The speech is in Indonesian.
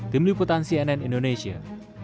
tim liputan cnn indonesia